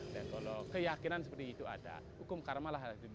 dan kalau keyakinan seperti itu ada hukum karmalah harus di situ jalan